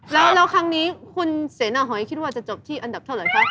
แล้วครั้งนี้คุณเสนาหอยคิดว่าจะจบที่อันดับเท่าไหร่คะ